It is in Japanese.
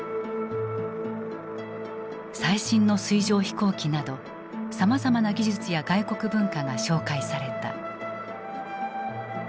最新の水上飛行機などさまざまな技術や外国文化が紹介された。